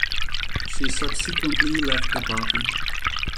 She subsequently left the party.